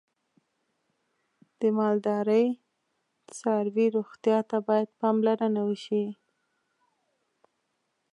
د مالدارۍ څاروی روغتیا ته باید پاملرنه وشي.